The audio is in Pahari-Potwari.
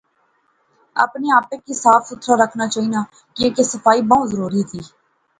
اپنے آپا کی صاف ستھرا رکھنا چاینا کیاں کے صفائی بہوں ضروری زی